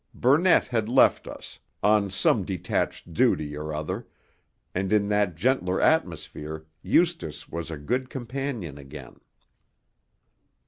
Burnett had left us, on some detached duty or other, and in that gentler atmosphere Eustace was a good companion again.